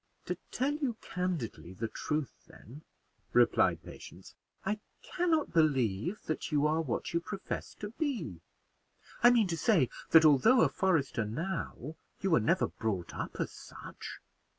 "To tell you candidly the truth, then," replied Patience: "I can not believe that you are what you profess to be. I mean to say that, although a forester now, you were never brought up as such.